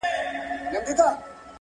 هر څه منم پر شخصيت باندي تېرى نه منم_